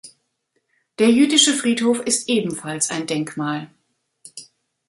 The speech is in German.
Der jüdische Friedhof ist ebenfalls ein Denkmal.